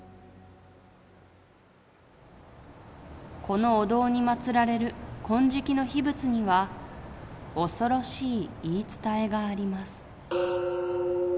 「このお堂に祭られる金色の秘仏には恐ろしい言い伝えがあります」。